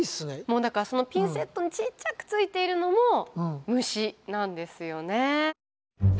もうだからそのピンセットにちっちゃくついているのも虫なんですよね。